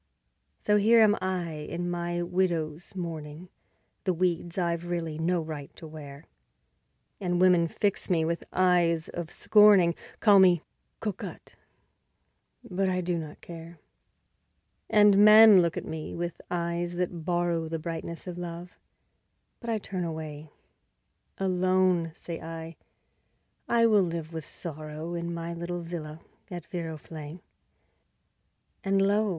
So here am I in my widow's mourning, The weeds I've really no right to wear; And women fix me with eyes of scorning, Call me "cocotte", but I do not care. And men look at me with eyes that borrow The brightness of love, but I turn away; Alone, say I, I will live with Sorrow, In my little villa at Viroflay. And lo!